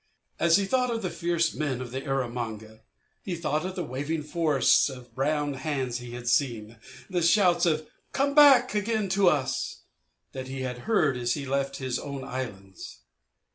As he thought of the fierce men of Erromanga he thought of the waving forests of brown hands he had seen, the shouts of "Come back again to us!" that he had heard as he left his own islands.